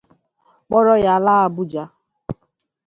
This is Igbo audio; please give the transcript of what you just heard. kpọrọ ya laa Abuja.